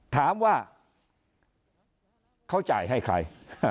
ถามว่าเขาจ่ายให้ใคร